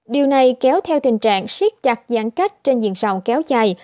điều này kéo theo tình trạng siết chặt giãn cách trên diện rộng kéo dài